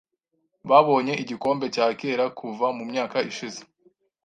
Babonye igikombe cya kera kuva mu myaka ishize.